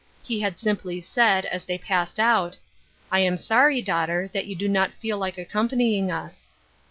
He had simply said, as they passed out, "• I am sorry, daughter, that you do not feel like accompany ing us."